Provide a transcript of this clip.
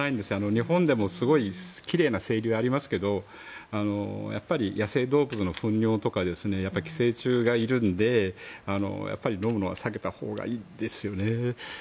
日本でもすごい奇麗な清流ありますけどやっぱり野生動物の糞尿とか寄生虫がいるのでやっぱり飲むのは避けたほうがいいですよね。